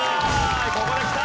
ここできた！